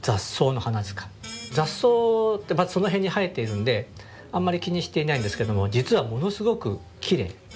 雑草ってその辺に生えているんであんまり気にしていないんですけども実はものすごくきれい。